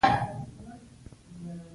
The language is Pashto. مقامات له قدرت څخه بده استفاده کولی شي.